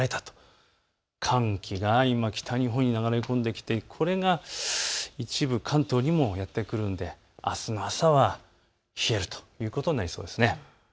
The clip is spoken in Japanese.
寒気が今、北日本に流れ込んでこれが一部関東にもやって来るのであすの朝は冷えるということになりそうです。